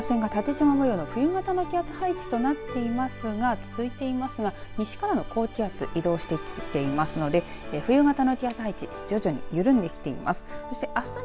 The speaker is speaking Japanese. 等圧線が縦縞模様の冬型の気圧配置となっていますが続いていますが西からの高気圧、移動してきていますので冬型の気圧配置徐々に緩んできています。